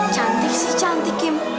cantik sih cantik kim